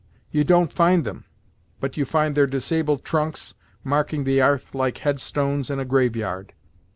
You don't find them, but you find their disabled trunks, marking the 'arth like headstones in a graveyard.